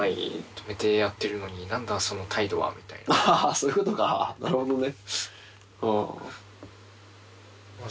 そういうことかなるほどね。